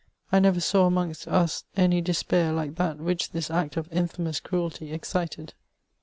I never saw amongst us any despair like that which this act of infamous cruelty excited.''